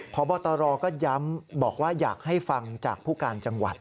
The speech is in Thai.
พบตรก็ย้ำบอกว่าอยากให้ฟังจากผู้การจังหวัด